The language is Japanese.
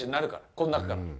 この中から。